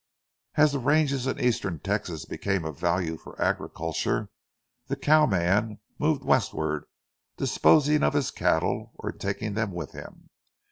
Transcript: As the ranges in eastern Texas became of value for agriculture, the cowman moved westward, disposing of his cattle or taking them with him.